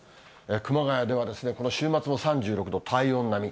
熊谷ではこの週末も３６度、体温並み。